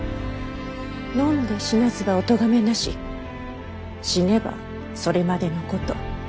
飲んで死なずばおとがめなし死ねばそれまでのこと。